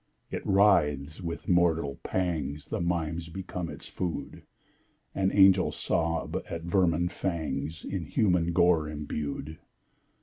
—it writhes!—with mortal pangs The mimes become its food, And the angels sob at vermin fangs In human gore imbued.